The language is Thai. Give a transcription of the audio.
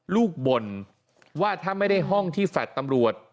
บ่นว่าถ้าไม่ได้ห้องที่แฟลต์ตำรวจ